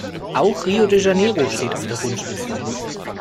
Auch Rio de Janeiro steht auf der Wunschliste.